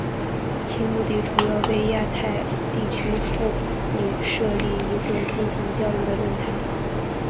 其目的主要是为亚太地区妇女设立一个进行交流的论坛。